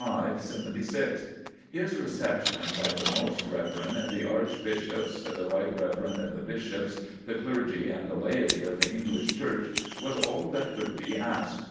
His reception by the Most Rev. the Archbishops, the Rt. Rev. the Bishops, the clergy and the laity of the English Church was all that could be asked.